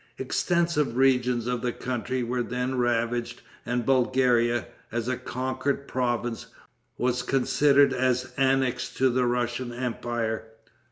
Extensive regions of the country were then ravaged, and Bulgaria, as a conquered province, was considered as annexed to the Russian empire.